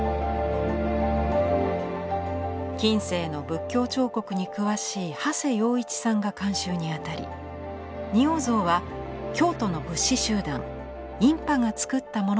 近世の仏教彫刻に詳しい長谷洋一さんが監修に当たり仁王像は京都の仏師集団院派がつくったものと推定に至ります。